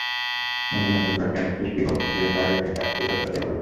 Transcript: নতুন নতুন বৈজ্ঞানিক সৃষ্টি হোক, দেশ আরও এগিয়ে যাক, সেই প্রত্যাশাই করছি।